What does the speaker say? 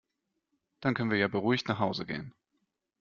Dann können wir ja beruhigt nach Hause gehen.